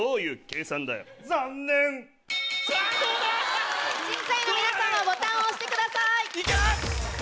⁉審査員の皆さんはボタンを押してください。